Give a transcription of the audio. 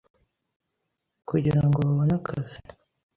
kugira ngo babone akazi.